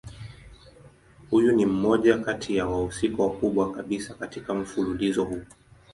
Huyu ni mmoja kati ya wahusika wakubwa kabisa katika mfululizo huu.